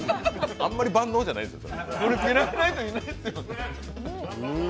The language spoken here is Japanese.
あんまり万能じゃないですよ。